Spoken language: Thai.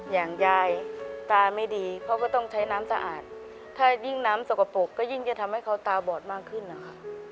อย่างยายตาไม่ดีเขาก็ต้องใช้น้ำสะอาดถ้ายิ่งน้ำสกปรกก็ยิ่งจะทำให้เขาตาบอดมากขึ้นนะคะ